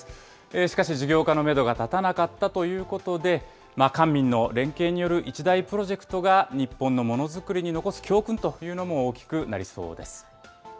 しかし事業化のメドが立たなかったということで、官民の連携による一大プロジェクトが、日本のものづくりに残す教訓というのも大きくなりそうです。